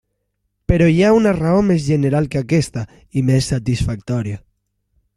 Però hi ha una raó més general que aquesta, i més satisfactòria.